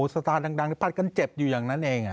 สตาร์ดังปัดกันเจ็บอยู่อย่างนั้นเอง